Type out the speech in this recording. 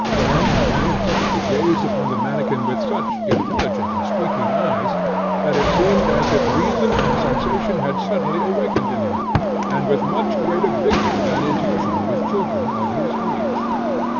Then again he gazed upon the manikin with such intelligent and speaking eyes, that it seemed as if reason and sensation had suddenly awakened in him, and with much greater vigour than is usual with children of his age.